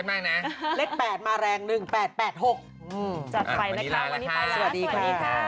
สวัสดีค่ะ